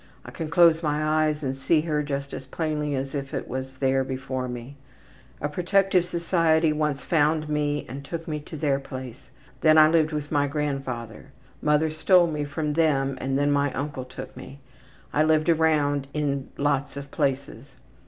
I can close my eyes and see her just as plainly as if it is there before me. A protective society once found me and took me to their place. Then I lived with my grandfather. Mother stole me from them and then my uncle took me. I lived around in lots of places.